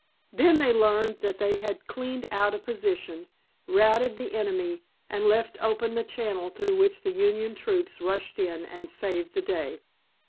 Then they learned that they had cleaned out a position, routed the enemy, and left open the channel through which the Union troops rushed in and saved the day.